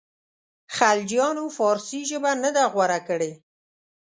خلجیانو فارسي ژبه نه ده غوره کړې.